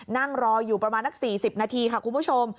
นั่งรออยู่ประมาณนัก๔๐นาทีค่ะคุณผู้ชม